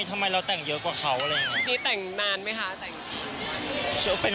ทำไมเราแต่งเยอะกว่าเขาอะไรอย่างเงี้ยนี่แต่งนานไหมค่ะแต่งเป็น